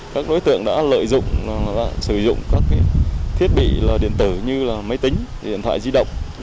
các đối tượng đã lợi dụng sử dụng các thiết bị điện tử như là máy tính điện thoại di động